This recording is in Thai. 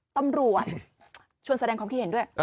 ตำรวจชวนแสดงของเขาเห็นด้วย